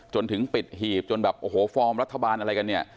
จนถึงปิดหีบจนแบบโอ้โหฟอร์มรัฐบาลอะไรกันเนี่ย